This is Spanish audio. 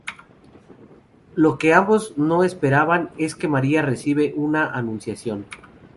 Lo que ambos no esperaban es que María recibe una Anunciación.